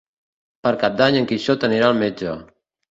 Per Cap d'Any en Quixot anirà al metge.